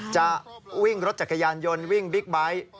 จะวิ่งรถจักรยานยนต์วิ่งบิ๊กไบท์